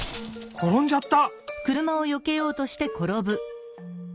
ころんじゃった！